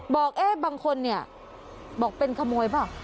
บอกเอ๊ะบางคนเนี่ยบอกเป็นขโมยเปล่า